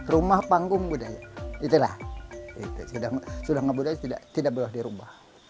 rumah panggung budaya itulah sudah mudah tidak boleh dirubah